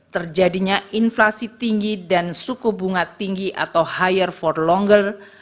terjadinya inflasi tinggi dan suku bunga tinggi atau higher for longer